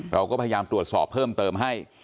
เราก็พยายามตรวจสอบเพิ่มเติมให้